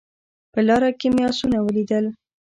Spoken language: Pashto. په لاره کې مې اسونه ولیدل